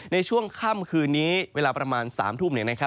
ในช่วงค่ำคืนนี้เวลาประมาณ๓ทุ่ม